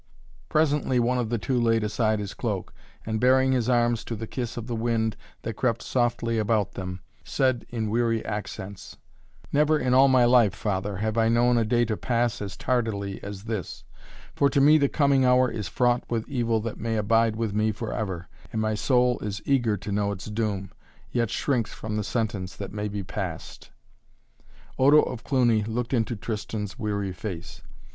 Presently one of the two laid aside his cloak and, baring his arms to the kiss of the wind that crept softly about them, said in weary accents: "Never in all my life, Father, have I known a day to pass as tardily as this, for to me the coming hour is fraught with evil that may abide with me forever, and my soul is eager to know its doom, yet shrinks from the sentence that may be passed." Odo of Cluny looked into Tristan's weary face.